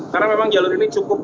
karena memang jalur ini cukup